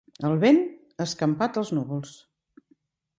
El vent ha escampat els núvols.